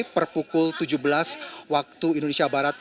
per pukul tujuh belas waktu indonesia barat